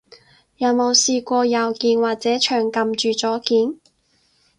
有冇試過右鍵，或者長撳住左鍵？